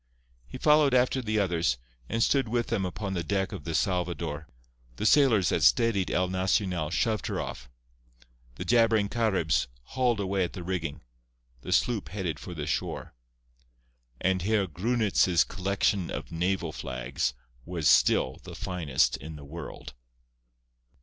He followed after the others, and stood with them upon the deck of the Salvador. The sailors that steadied El Nacional shoved her off. The jabbering Caribs hauled away at the rigging; the sloop headed for the shore. And Herr Grunitz's collection of naval flags was still the finest in the world.